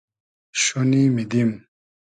شونی میدیم